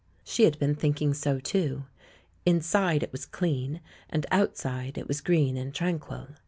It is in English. She had been thinking so, too. Inside, it was clean, and outside it was green and tranquil.